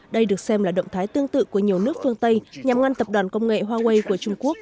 đây được xem là động thái tương tự của nhiều nước phương tây nhằm ngăn tập đoàn công nghệ huawei của trung quốc